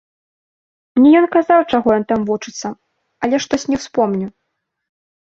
Мне ён казаў, чаго ён там вучыцца, але штось не ўспомню.